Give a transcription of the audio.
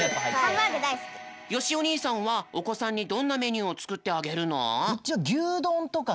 よしお兄さんはおこさんにどんなメニューをつくってあげるの？